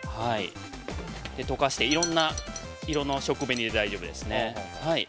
溶かしていろんな色の食紅で大丈夫ですね。